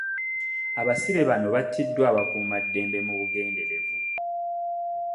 Abasibe bano batiddwa abakuumaddembe mu bugenderevu.